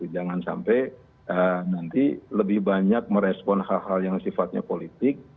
jangan sampai nanti lebih banyak merespon hal hal yang sifatnya politik